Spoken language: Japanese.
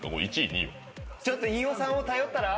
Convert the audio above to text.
ちょっと飯尾さんを頼ったら？